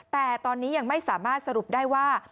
แต่ตอนนี้ยังไม่สามารถสรุปได้ว่า